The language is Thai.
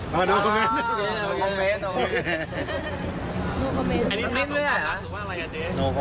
ขอบใจนะคะ